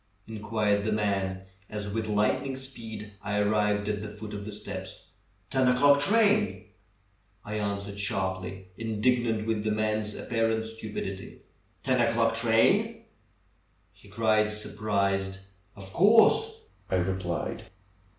'^ inquired the man, as with light ning speed I arrived at the foot of the steps. "Ten o'clock train !" I answered sharply, indignant with the man's apparent stupidity. "Ten o'clock train!" he cried surprised. "Of course!'^ I replied.